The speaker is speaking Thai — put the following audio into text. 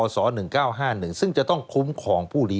สวัสดีค่ะต้อนรับคุณบุษฎี